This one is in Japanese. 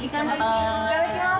いただきます。